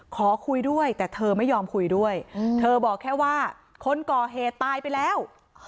ขอคุยด้วยแต่เธอไม่ยอมคุยด้วยเธอบอกแค่ว่าคนก่อเหตุตายไปแล้ว